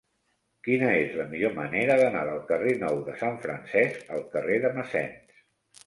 Quina és la millor manera d'anar del carrer Nou de Sant Francesc al carrer de Massens?